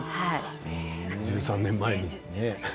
１３年前に。